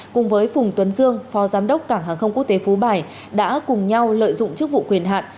cùng với phùng tuấn dương phó giám đốc cảng hàng không quốc tế phú bài đã cùng nhau lợi dụng chức vụ quyền hạn